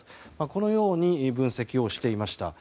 このように分析をしていました。